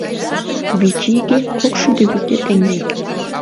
— Вич иге — кок шӱдӧ витле теҥге.